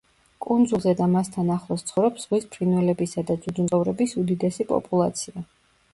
კუნძულზე და მასთან ახლოს ცხოვრობს ზღვის ფრინველებისა და ძუძუმწოვრების უდიდესი პოპულაცია.